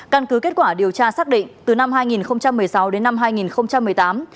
căn cứ kết quả điều tra xác định từ năm hai nghìn một mươi sáu đến năm hai nghìn một mươi tám